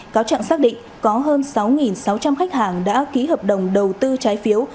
cáo trạng xác định có hơn sáu sáu trăm linh khách hàng đã ký hợp đồng đầu tư trái phiếu